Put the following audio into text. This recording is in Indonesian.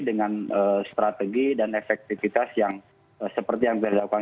dengan strategi dan efektivitas yang seperti yang kita lakukan